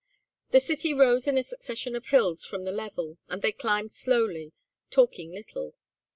The city rose in a succession of hills from the level, and they climbed slowly, talking little.